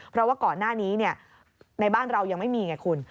เพราะว่าก่อนหน้านี้ในบ้านเรายังไม่มีไงคุณ